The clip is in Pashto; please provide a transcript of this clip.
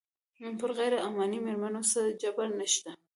پر غیر عماني مېرمنو څه جبر نه شته.